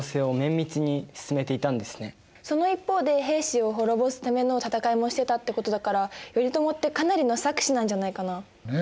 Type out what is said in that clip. その一方で平氏を滅ぼすための戦いもしてたってことだから頼朝ってかなりの策士なんじゃないかな？ね。